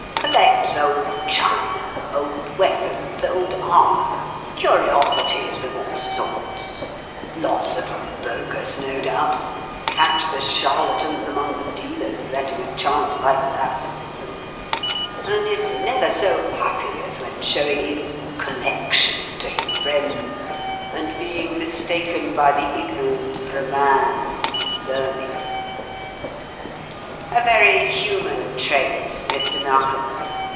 Collects old china, old weapons, old armour, curiosities of all sorts lots of 'em bogus, no doubt; catch the charlatans among the dealers letting a chance like that slip them and is never so happy as when showing his 'collection' to his friends and being mistaken by the ignorant for a man of deep learning." "A very human trait, Mr. Narkom.